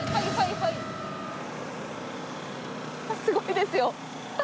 すごいですよ。